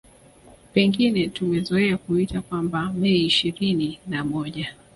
Pengine tumezoea kuita kwamba Mei ishirini na moja